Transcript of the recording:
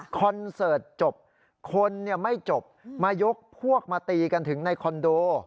คอนเสิร์ตจบคนไม่จบมายกพวกมาตีกันถึงในคอนโด